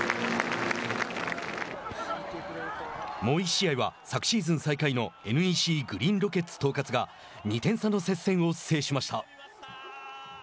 もう一試合は昨シーズン最下位のＮＥＣグリーンロケッツ東葛が２点差の接戦を制しました。